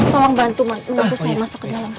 tolong bantu ma minta bu saya masuk ke dalam